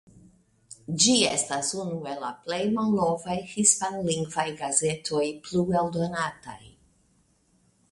Ĝi estas unu el la plej malnovaj hispanlingvaj gazetoj plu eldonataj.